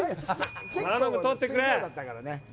頼む取ってくれ！